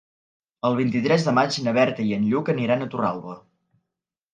El vint-i-tres de maig na Berta i en Lluc aniran a Torralba.